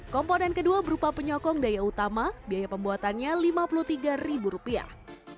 komponen kedua berupa penyokong daya utama biaya pembuatannya lima puluh tiga ribu rupiah